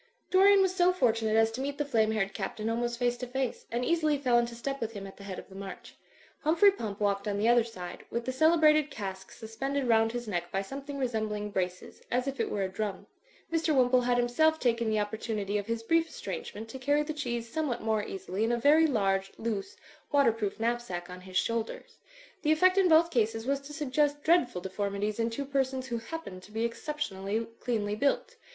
Dorian was so fortunate as to meet the flame haired Captain almost face to face, and easily fell into step with him at the head of the march. Hum phrey Pump walked on the other side, with the cele brated cask suspended roimd his neck by something resembling braces, as if it were a drum. Mr. Wim pole had himself taken the opportunity of his brief estrangement to carry the cheese somewhat more easily in a very large, loose, waterproof knapsack on his shoulders. The effect in both cases was to suggest dreadful deformities in two persons who happened to be exceptionally cleanly built.